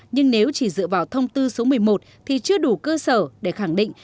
nhưng nếu chỉ dựa vào thông tư số một mươi một thì chưa đủ cơ sở để khẳng định